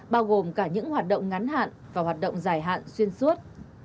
bao gồm cả những hoạt động ngắn hạn và hoạt động dài hạn xuyên suốt